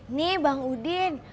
ini bang udin